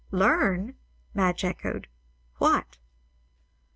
"Learn!" Madge echoed. "What?"